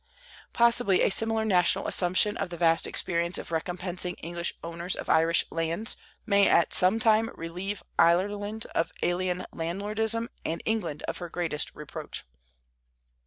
Possibly a similar national assumption of the vast expense of recompensing English owners of Irish lands may at some time relieve Ireland of alien landlordism and England of her greatest reproach.